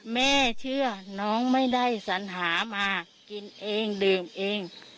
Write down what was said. แม่เชื่อน้องไม่ได้สัญหามากินเองดื่มเอง